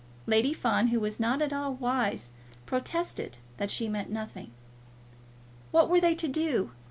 Lady Fawn, who was not at all wise, protested that she meant nothing. What were they to do?